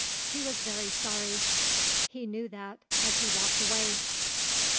He was very sorry. He knew that as he walked away.